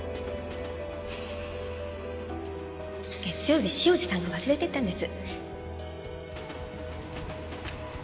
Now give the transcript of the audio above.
月曜日潮路さんが忘れていったんです。